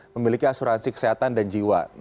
memiliki asuransi kesehatan dan jiwa